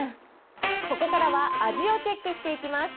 ここからは、味をチェックしていきます。